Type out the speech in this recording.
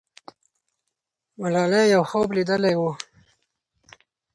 ملالۍ یو خوب لیدلی وو.